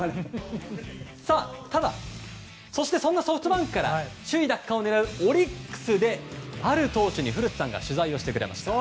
そしてそんなソフトバンクから首位奪還を狙うオリックスである投手に古田さんが取材をしてくれました。